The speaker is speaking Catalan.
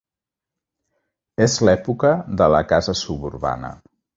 És l'època de la "casa suburbana".